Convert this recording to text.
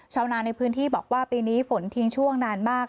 ชาวนาในพื้นที่บอกว่าปีนี้ฝนทิ้งช่วงนานมาก